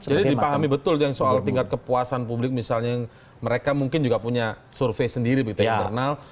jadi dipahami betul soal tingkat kepuasan publik misalnya mereka mungkin juga punya survey sendiri gitu ya internal